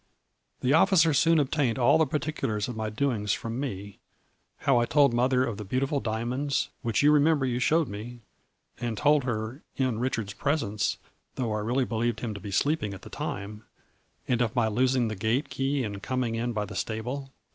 The officer soon obtained all the particulars of my doings from me, how I told mother of the beautiful diamonds, which you remember you showed me, and told her in Richard's presence, though I really believed him to be sleeping at the time, and of my losing the gate key and coming in by the stable.